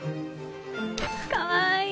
かわいい。